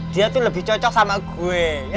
dia tuh lebih cocok sama gue